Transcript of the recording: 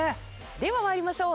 では参りましょう。